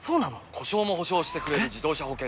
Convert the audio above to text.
故障も補償してくれる自動車保険といえば？